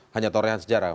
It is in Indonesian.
hanya torehan sejarah